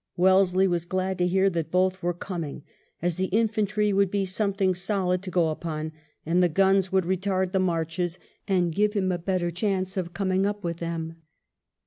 Wellesley was glad to hear that both were coming, as the infantry would be " something solid " to go upon, and the guns would retard the marches, and give him a better chance of coming up with them.